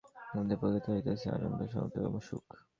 আমাদের প্রকৃতিই হইতেছে আনন্দ, সম্ভোগ ও সুখ।